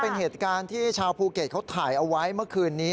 เป็นเหตุการณ์ที่ชาวภูเก็ตเขาถ่ายเอาไว้เมื่อคืนนี้